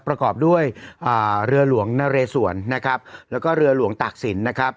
ประกอบด้วยอ่าเรือหลวงนเรสวนนะครับแล้วก็เรือหลวงตากศิลป์นะครับ